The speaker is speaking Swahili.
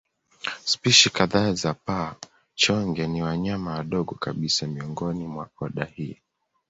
Spishi kadhaa za paa-chonge ni wanyama wadogo kabisa miongoni mwa oda hii.